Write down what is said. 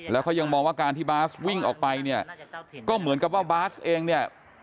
แล้วเขายังมองว่าการที่บาสวิ่งออกไปเนี่ยก็เหมือนกับว่าบาสเองเนี่ย